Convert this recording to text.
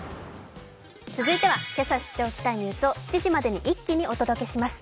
続いてはけさ知っておきたいニュースを７時までにお届けします。